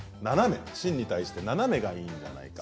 芯に対して斜めがいいのではないか。